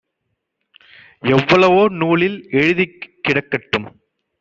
எவ்வளவோ நூலில் எழுதிக் கிடக்கட்டும்.